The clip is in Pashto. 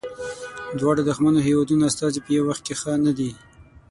دواړو دښمنو هیوادونو استازي په یوه وخت کې ښه نه دي.